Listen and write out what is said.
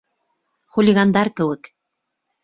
Хулигандар кеүек!